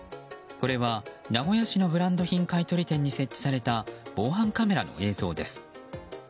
これは、名古屋市のブランド品買い取り店に設置された防犯カメラの映像です。